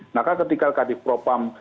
nah kan ketika kadifropam